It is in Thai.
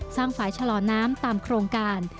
ฝ่ายชะลอน้ำตามโครงการ